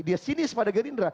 dia sinis pada gerindra